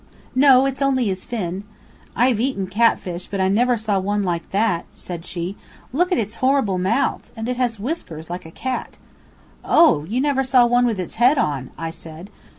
"No; it's only his fin." "I've eaten cat fish, but I never saw one like that," she said. "Look at its horrible mouth! And it has whiskers like a cat!" "Oh! you never saw one with its head on," I said.